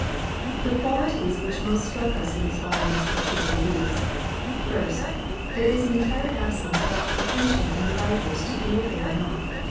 The qualities which most struck us in these volumes were chiefly these: First there is an entire absence of all pretension in the writers to be what they are not.